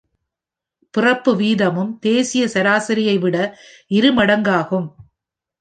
பிறப்பு வீதமும் தேசிய சராசரியை விட இரு மடங்காகும்